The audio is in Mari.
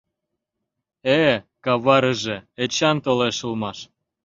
— Э-э, каварыже, Эчан толеш улмаш.